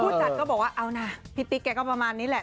จัดก็บอกว่าเอานะพี่ติ๊กแกก็ประมาณนี้แหละ